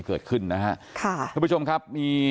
ขอบคุณครับ